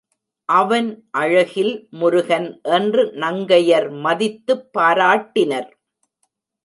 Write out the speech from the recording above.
அவன் அழகில் முருகன் என்று நங்கையர் மதித்துப் பாராட்டினர்.